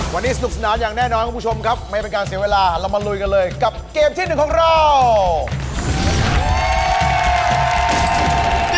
วันนี้สนุกสนานอย่างแน่นอนคุณผู้ชมครับไม่เป็นการเสียเวลาเรามาลุยกันเลยกับเกมที่หนึ่งของเรา